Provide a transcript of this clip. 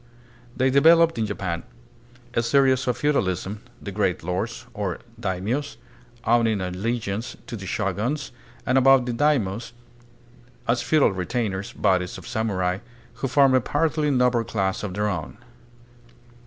They developed in Japan a species of feudalism, the great lords, or "daimios," owning allegiance to the shoguns, and about the daimios, as feudal retainers, bodies of samurai, who formed a partly noble class of their own.